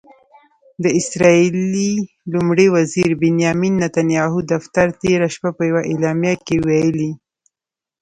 د اسرائیلي لومړي وزیر بنیامن نتنیاهو دفتر تېره شپه په یوه اعلامیه کې ویلي